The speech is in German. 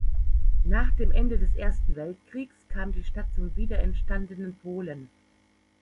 Nach dem Ende des Ersten Weltkriegs kam die Stadt zum wiederentstandenen Polen.